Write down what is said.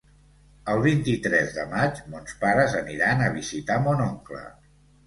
El vint-i-tres de maig mons pares aniran a visitar mon oncle.